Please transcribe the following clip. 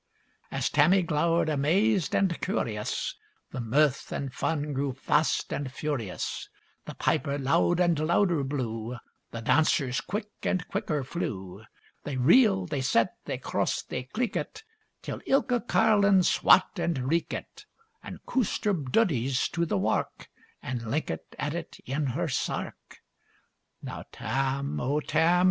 As Tammie glow'red, amazed and curious, The mirth and fun grew fast and furious: The piper loud and louder blew; The dancers quick and quicker flew; They reeled, they set, they crossed, they cleekit, Till ilka carlin swat and reekit, And coost her duddies to the wark, And linket at it in her sark! Now Tam, O Tam!